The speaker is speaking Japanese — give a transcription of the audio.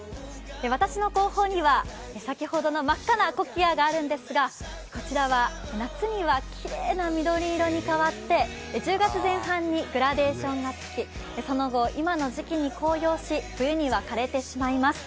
私の後方には先ほどの真っ赤なコキアがあるんですが、こちらは夏にはきれいな緑色に変わって、１０月前半にグラデーションがつき、その後、今の時期に紅葉し、冬には枯れてしまいます。